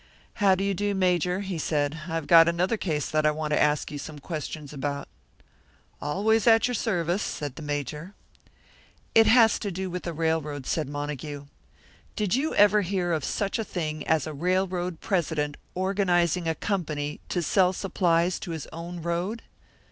"How do you do, Major?" he said. "I've got another case that I want to ask you some questions about." "Always at your service," said the Major. "It has to do with a railroad," said Montague. "Did you ever hear of such a thing as a railroad president organising a company to sell supplies to his own road?"